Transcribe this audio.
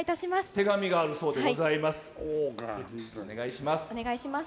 手紙があるそうでございます。